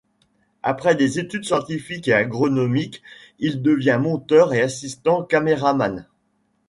Après des études scientifiques et agronomiques, il devient monteur et assistant cameraman.